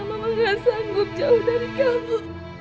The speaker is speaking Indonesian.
mama gak sanggup jauh dari kamu